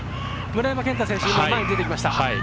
村山謙太選手、前に出てきました。